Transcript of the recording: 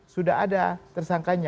sudah ada tersangkanya